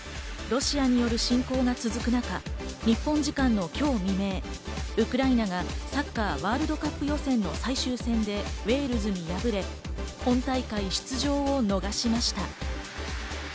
ロシアによる侵攻が続く中、日本時間の今日未明、ウクライナがサッカーワールドカップ予選の最終戦でウェールズに敗れ、本大会出場を逃しました。